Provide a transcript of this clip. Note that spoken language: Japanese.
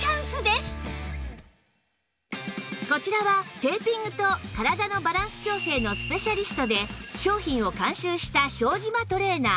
こちらはテーピングと体のバランス調整のスペシャリストで商品を監修した庄島トレーナー